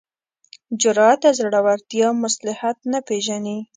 جرات او زړورتیا مصلحت نه پېژني.